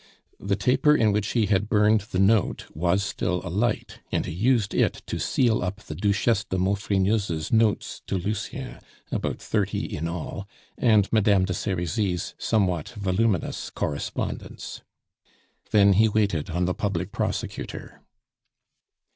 The taper in which he had burned the note was still alight, and he used it to seal up the Duchesse de Maufrigneuse's notes to Lucien about thirty in all and Madame de Serizy's somewhat voluminous correspondence. Then he waited on the public prosecutor.